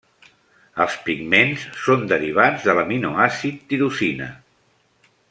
Els pigments són derivats de l'aminoàcid tirosina.